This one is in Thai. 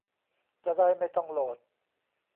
จะได้ไม่ต้องโหลด